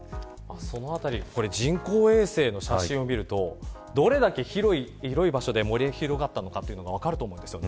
そのあたり人工衛星の写真を見るとどれだけ広い場所で燃え広がったかというのが分かると思います。